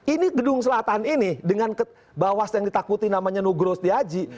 ini gedung selatan ini dengan bawas yang ditakuti namanya nugro setiaji